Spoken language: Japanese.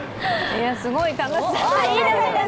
すごい楽しそう。